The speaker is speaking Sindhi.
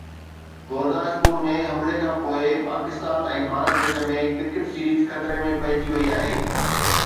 گورداسپور ۾ حملي کانپوءِ پاڪستان ۽ ڀارت وچ ۾ ڪرڪيٽ سيريز خطري ۾ پئجي وئي آهي